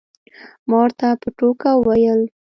ما ورته په ټوکه وویل.